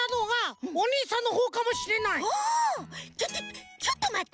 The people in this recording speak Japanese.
ちょちょちょっとまって！